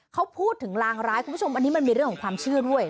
เขาพูดถึงลางร้ายคุณผู้ชมอันนี้มันมีเรื่องของความเชื่อด้วย